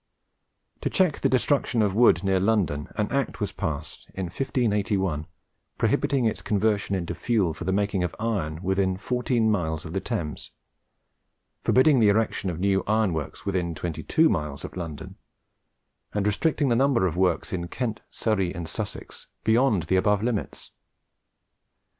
To check the destruction of wood near London, an Act was passed in 1581 prohibiting its conversion into fuel for the making of iron within fourteen miles of the Thames, forbidding the erection of new ironworks within twenty two miles of London, and restricting the number of works in Kent, Surrey, and Sussex, beyond the above limits.